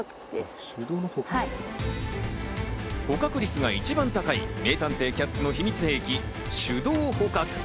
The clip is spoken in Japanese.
捕獲率が一番高い名探偵キャッツの秘密兵器・手動捕獲器。